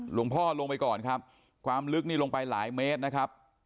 ลงไปก่อนครับความลึกนี่ลงไปหลายเมตรนะครับ